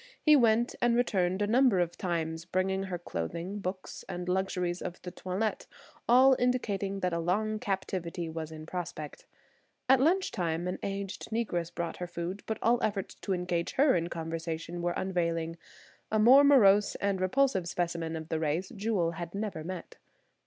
He went and returned a number of times, bringing her clothing, books and luxuries of the toilet, all indicating that a long captivity was in prospect. At lunch time an aged Negress brought her food, but all efforts to engage her in conversation were unavailing; a more morose and repulsive specimen of the race Jewel had never met.